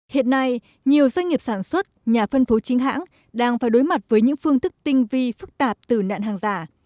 hiện nay nhiều doanh nghiệp sản xuất nhà phân phối chính hãng đang phải đối mặt với những phương thức tinh vi phức tạp từ nạn hàng giả